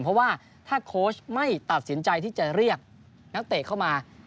เพราะว่าถ้าโค้ชไม่ตัดสินใจที่จะเรียกนักเตะเข้ามา